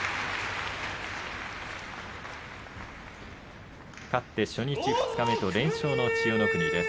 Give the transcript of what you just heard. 拍手勝って初日、二日目と連勝の千代の国です。